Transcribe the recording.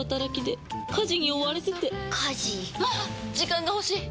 時間が欲しい！